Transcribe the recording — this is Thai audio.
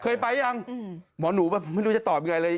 เคยไปยังหมอหนูแบบไม่รู้จะตอบยังไงเลย